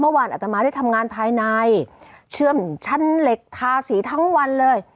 อัตมาได้ทำงานภายในเชื่อมชั้นเหล็กทาสีทั้งวันเลย